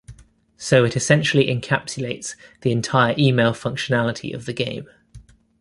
So it essentially encapsulates the entire Email functionality of the game.